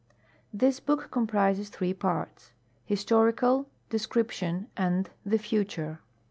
This book comprises three parts, "Historical," "Description," and "Tiie Future."